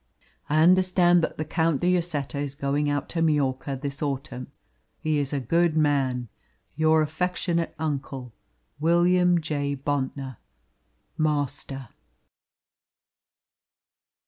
I understand that the Count de Lloseta is going out to Majorca this autumn. He is a good man. Your affectionate uncle, "WILLIAM JOHN BONTNOR (Master)."